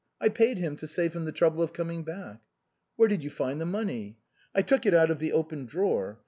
I paid him, to save him the trouble of coming back." " Where did you find the money ?"" I took it out of the open drawer.